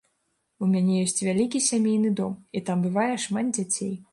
У мяне ёсць вялікі сямейны дом, і там бывае шмат дзяцей.